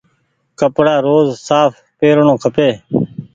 ڪپڙآ روز ساڦ پيرڻو کپي۔